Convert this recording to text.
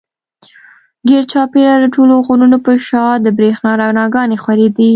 ګېر چاپېره د ټولو غرونو پۀ شا د برېښنا رڼاګانې خورېدې